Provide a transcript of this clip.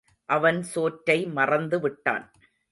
அவன் சோற்றை மறந்துவிட்டான்.